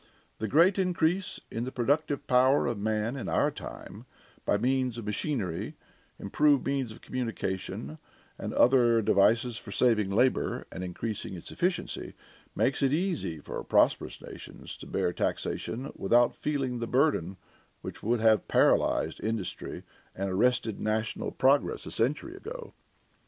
The great increase in the productive power of man in our time, by means of machinery, improved means of communication, and other devices for saving labor and increasing its efficiency, makes it easy for prosperous nations to bear taxation without feeling the burden which would have paralyzed industry and arrested national progress a century ago.